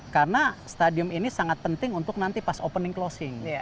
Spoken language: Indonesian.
karena stadium ini sangat penting untuk nanti pas opening closing